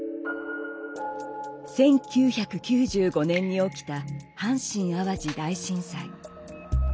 １９９５年に起きた阪神・淡路大震災。